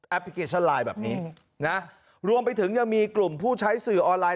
พลิเคชันไลน์แบบนี้นะรวมไปถึงยังมีกลุ่มผู้ใช้สื่อออนไลน